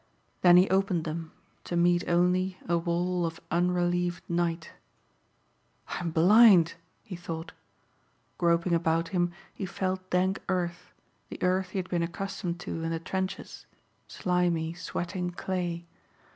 Then he opened them to meet only a wall of unrelieved night. "I'm blind!" he thought. Groping about him he felt dank earth, the earth he had been accustomed to in the trenches, slimy, sweating clay.